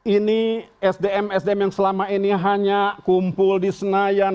ini sdm sdm yang selama ini hanya kumpul di senayan